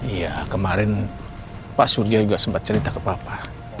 iya kemarin pak surya juga sempat cerita ke papa